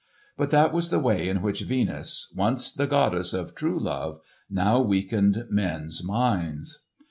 But that was the way in which Venus, once the goddess of true love, now weakened men's minds.